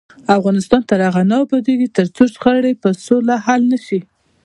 افغانستان تر هغو نه ابادیږي، ترڅو شخړې په سوله حل نشي.